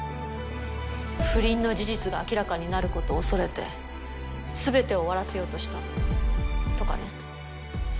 不倫の事実が明らかになる事を恐れて全てを終わらせようとしたとかね。